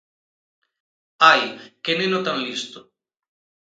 Ai, que neno tan listo!